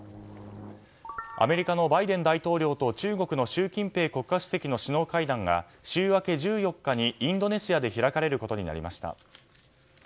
アメリカのバイデン大統領と中国の習近平国家主席の首脳会談が週明け１４日にインドネシアで開かれることになりました。